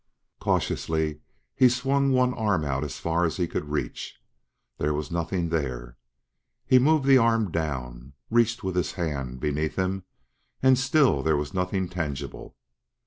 Cautiously, he swung one arm out as far as he could reach. There was nothing there. He moved the arm down; reached with his hand beneath him and still there was nothing tangible!